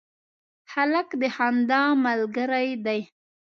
هلک د خندا ملګری دی.